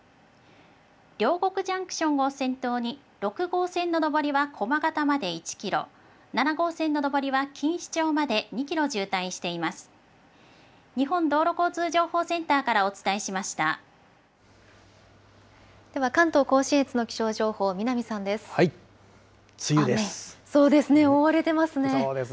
両国ジャンクションを先頭に、６号線の上りはこまがたまで１キロ、７号線の上りは錦糸町まで２キロ渋滞しています。